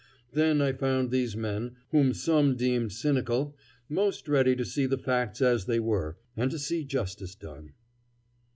Then I found these men, whom some deemed cynical, most ready to see the facts as they were, and to see justice done.